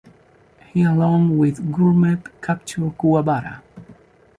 He along with Gourmet capture Kuwabara.